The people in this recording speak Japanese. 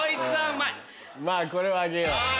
まぁこれはあげよう。